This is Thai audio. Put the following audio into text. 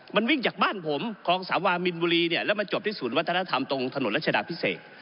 มันวิ่งจากบ้านผมคลองสาวามินบุรีเนี่ยแล้วมาจบที่ศูนย์วัฒนธรรมตรงถนนรัชดาพิเศษ